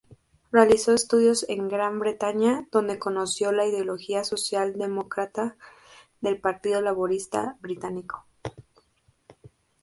Realizó estudios en Gran Bretaña donde conoció la ideología socialdemócrata del Partido Laborista Británico.